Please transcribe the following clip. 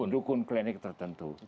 dukun klinik tertentu